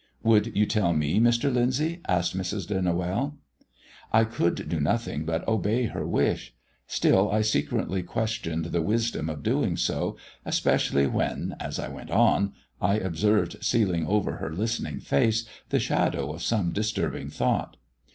"Would you tell me, Mr. Lyndsay?" asked Mrs. de Noël. I could do nothing but obey her wish; still I secretly questioned the wisdom of doing so, especially when, as I went on, I observed stealing over her listening face the shadow of some disturbing thought.